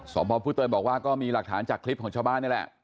สอบพ่อผู้เตยบอกว่าก็มีหลักฐานจากคลิปของชาวบ้านนี่แหละ